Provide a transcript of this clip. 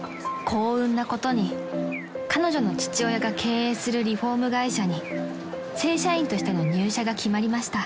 ［幸運なことに彼女の父親が経営するリフォーム会社に正社員としての入社が決まりました］